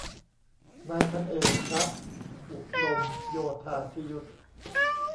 นายพันเอก พระอุดมโยธาธิยุต